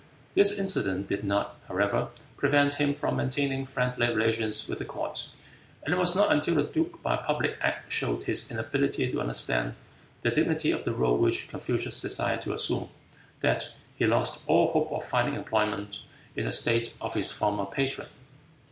This incident did not, however, prevent him from maintaining friendly relations with the court, and it was not until the duke by a public act showed his inability to understand the dignity of the role which Confucius desired to assume, that he lost all hope of finding employment in the state of his former patron.